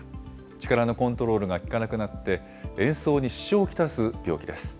力のコントロールが利かなくなって、演奏に支障を来す病気です。